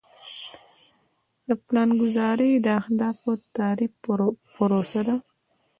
پلانګذاري د اهدافو د تعریف پروسه ده.